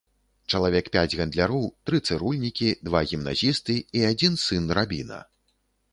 Чалавек пяць гандляроў, тры цырульнікі, два гімназісты і адзін сын рабіна.